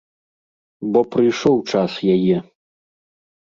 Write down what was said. Бо прыйшоў час яе.